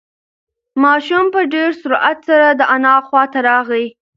ماشوم په ډېر سرعت سره د انا خواته راغی.